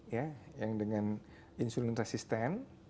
yang dengan insulin resisten